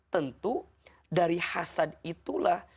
tentu dari hasad itulah